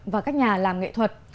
và các nhà làm nghệ thuật